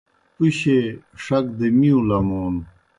پُشیئے ݜک دہ مِیوں لمون